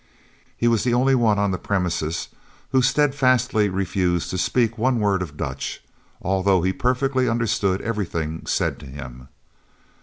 He was the only one on the premises who steadfastly refused to speak one word of Dutch, although he perfectly understood everything said to him.